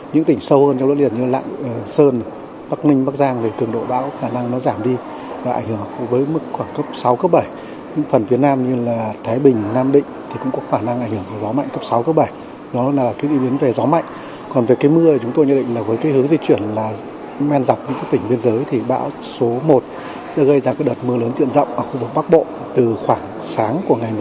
những tác động đối với các tỉnh ven biển